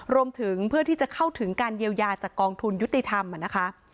รวมถึงเพื่อที่จะเข้าถึงการเยียวยาจากกองทุนยุติธรรมนะคะ